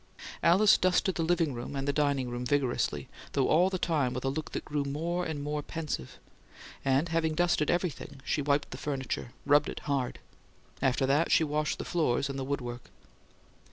Alice dusted the "living room" and the dining room vigorously, though all the time with a look that grew more and more pensive; and having dusted everything, she wiped the furniture; rubbed it hard. After that, she washed the floors and the woodwork.